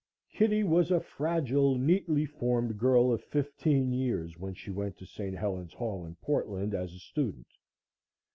Kitty was a fragile, neatly formed girl of fifteen years, when she went to St. Helen's Hall in Portland as a student.